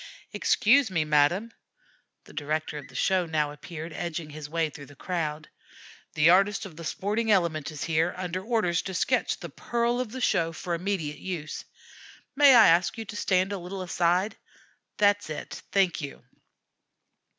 "Excuse me, madame." The director of the show now appeared, edging his way through the crowd. "The artist of the 'sporting Element' is here, under orders to sketch the 'pearl of the show' for immediate use. May I ask you to stand a little aside? That's it; thank you.